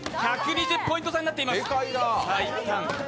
１２０ポイント差になっています。